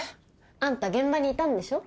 あんた現場にいたんでしょ？